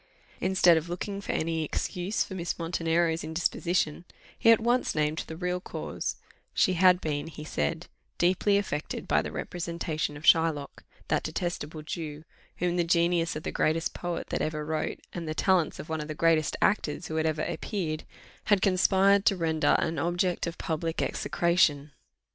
Instead of looking for any excuse for Miss Montenero's indisposition, he at once named the real cause; she had been, he said, deeply affected by the representation of Shylock; that detestable Jew, whom the genius of the greatest poet that ever wrote, and the talents of one of the greatest actors who had ever appeared, had conspired to render an object of public execration.